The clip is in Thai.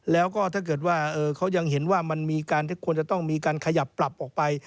แล้วก็ถ้าเกิดว่าเขายังเห็นว่ามันมีการควรจะต้องมีการขยับปรับออกไป